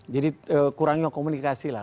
jadi kurangnya komunikasi lah